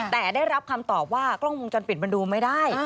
แต่ได้รับคำตอบว่ากล้องวงจรปิดมันดูไม่ได้